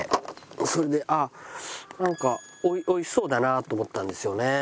それであっなんか美味しそうだなと思ったんですよね。